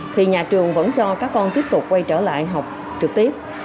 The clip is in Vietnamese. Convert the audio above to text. thì nhà trường vẫn cho các con tiếp tục quay trở lại học trực tiếp